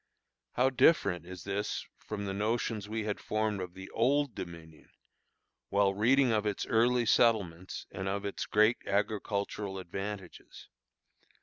How different is this from the notions we had formed of the Old Dominion, while reading of its early settlements, and of its great agricultural advantages.